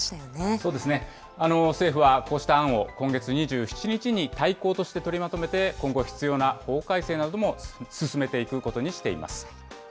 そうですね、政府はこうした案を今月２７日に大綱として取りまとめて、今後必要な法改正なども進めていくことにしています。